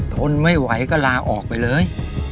ทนไม่ไหวก็ลาออกไปเลย